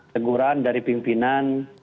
teguran dari pimpinan